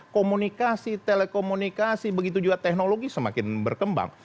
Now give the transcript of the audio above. komunikasi telekomunikasi begitu juga teknologi semakin berkembang